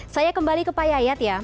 saya kembali ke pak yayat ya